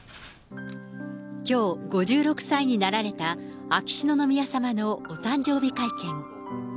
きょう、５６歳になられた秋篠宮さまのお誕生日会見。